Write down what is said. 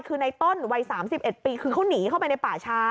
คือในต้นวัย๓๑ปีคือเขาหนีเข้าไปในป่าช้า